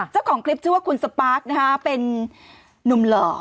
เจ้าของคลิปชื่อว่าคุณสปาร์คนะคะเป็นนุ่มหล่อ